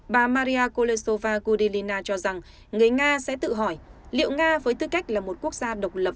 bà maria koresova gudilina cho rằng người nga sẽ tự hỏi liệu nga với tư cách là một quốc gia độc lập